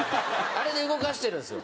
あれで動かしてるんですよ。